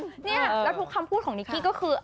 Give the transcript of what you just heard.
เนี่ยแล้วทุกคำพูดของนิกกี้ก็คือ